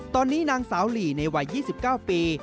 ตอนนี้นางสาวหลีในวัย๒๙ปี